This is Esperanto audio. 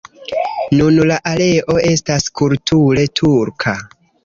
Nun la areo estas kulture turka.